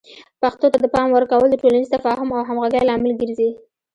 پښتو ته د پام ورکول د ټولنیز تفاهم او همغږۍ لامل ګرځي.